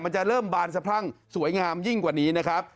มันจะเริ่มบานสะพรั่งสวยงามยิ่งกว่านี้นะครับ